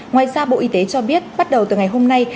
ngoài ra bộ y tế cho biết bắt đầu từ ngày hôm nay